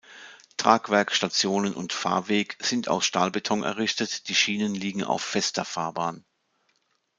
Tragwerk, Stationen und Fahrweg sind aus Stahlbeton errichtet; die Schienen liegen auf Fester Fahrbahn.